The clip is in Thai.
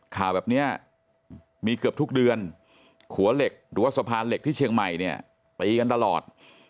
ข่าวแบบนี้มีเกือบทุกเดือนขัวเหล็กหรือว่าสะพานเหล็กที่เชียงใหม่เนี่ยตีกันตลอด